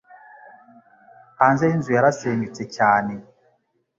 Hanze yinzu yarasenyutse cyane